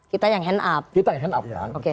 kita yang hand up kita yang hand up